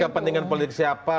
kepentingan politik siapa